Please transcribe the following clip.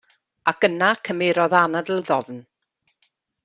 Ac yna cymerodd anadl ddofn.